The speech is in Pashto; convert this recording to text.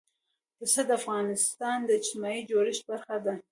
پسه د افغانستان د اجتماعي جوړښت برخه ده.